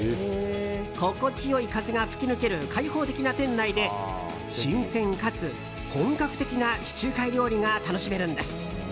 心地良い風が吹き抜ける開放的な店内で新鮮かつ本格的な地中海料理が楽しめるんです。